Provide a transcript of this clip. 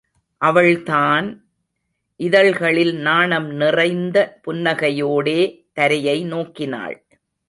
அவள்தான் இதழ்களில் நாணம் நிறைந்த புன்னகையோடே தரையை நோக்கினாள்.